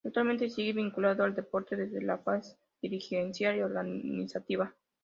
Actualmente sigue vinculado al deporte desde la faz dirigencial y organizativa.